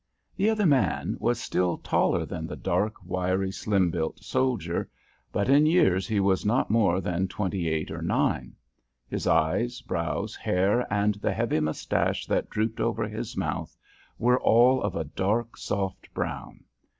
The other man was still taller than the dark, wiry, slim built soldier, but in years he was not more than twenty eight or nine. His eyes, brows, hair, and the heavy moustache that drooped over his mouth were all of a dark, soft brown.